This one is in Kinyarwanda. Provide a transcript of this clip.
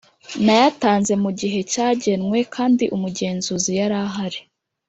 nayatanze mu gihe cyagenwe kandi umugenzuzi yarahari